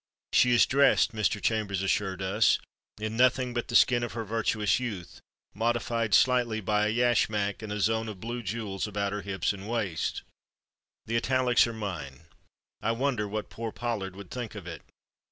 She is dressed, Mr. Chambers assures us, _in nothing but the skin of her virtuous youth, modified slightly by a yashmak and a zone of blue jewels about her hips and waist_. The italics are mine. I wonder what poor Pollard would think of it.